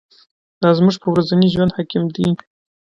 دا زموږ په ورځني ژوند حاکم دی.